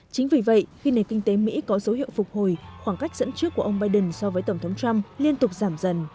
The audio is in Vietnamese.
chính vì vậy khi nền kinh tế mỹ có dấu hiệu phục hồi khoảng cách dẫn trước của ông biden so với tổng thống trump liên tục giảm dần